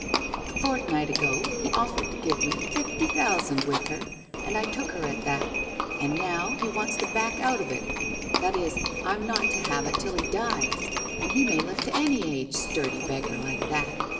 'A fortnight ago he offered to give me fifty thousand with her and I took her at that, and now he wants to back out of it— that is, I'm not to have it till he dies, and he may live to any age — sturdy beggar like that